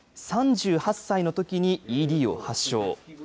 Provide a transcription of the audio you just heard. ３８歳のときにＥＤを発症。